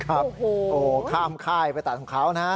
โอ้โหข้ามค่ายไปตัดของเขานะ